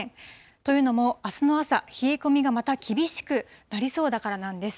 というのも、あすの朝、冷え込みがまた厳しくなりそうだからなんです。